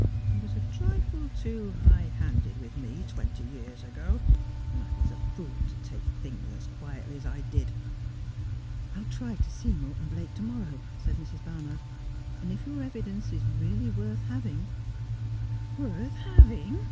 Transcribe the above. He was a trifle too high handed with me twenty years ago, and I was a fool to take things as quietly as I did.' ' I will try to see Morton Blake to morrow,' said Mrs. Bar nard, ' and if your evidence is really worth having '' Worth having